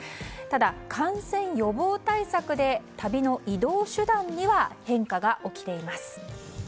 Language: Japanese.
ただ、感染予防対策で旅の移動手段には変化が起きています。